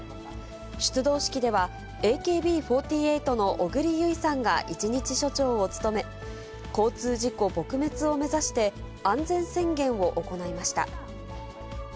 出動式ではＡＫＢ４８の小栗有以さんが一日署長を務め、交通事故撲滅を目指して、安全宣言を行いました。